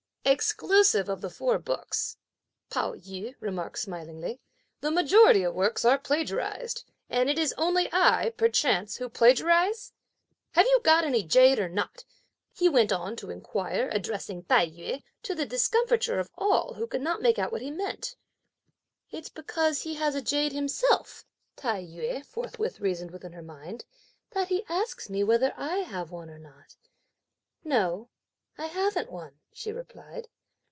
"Exclusive of the Four Books," Pao yü remarked smilingly, "the majority of works are plagiarised; and is it only I, perchance, who plagiarise? Have you got any jade or not?" he went on to inquire, addressing Tai yü, (to the discomfiture) of all who could not make out what he meant. "It's because he has a jade himself," Tai yü forthwith reasoned within her mind, "that he asks me whether I have one or not. No; I haven't one," she replied.